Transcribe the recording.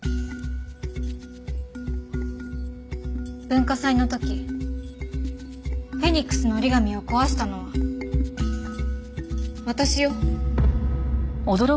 文化祭の時フェニックスの折り紙を壊したのは私よ。